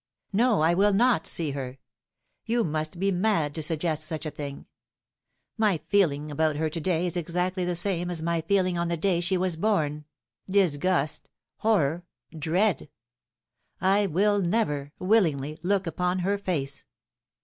No, I will not see her. You must be mad to suggest such a thing. My feeling about her to day is exactly the same as my feeling on the day she was born disgust, horror, dread. I will never willingly look upon her face.